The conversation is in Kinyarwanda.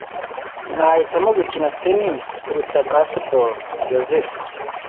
Nahitamo gukina tennis kuruta baseball. (Yozefu)